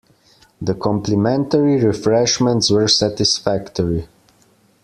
The complimentary refreshments were satisfactory.